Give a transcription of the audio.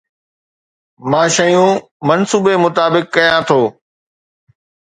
مان شيون منصوبي مطابق ڪريان ٿو